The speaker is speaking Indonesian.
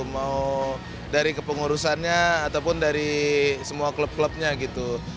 mau dari kepengurusannya ataupun dari semua klub klubnya gitu